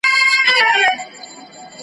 شرمنده دي مشران وي ستا كردار ته .